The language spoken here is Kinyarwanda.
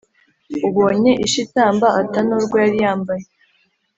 Ubonye isha itamba ata n’urwo yari yambaye